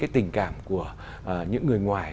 tình cảm của những người ngoài